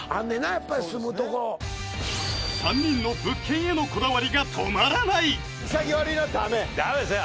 やっぱり住むとこ３人の物件へのこだわりが止まらないダメですね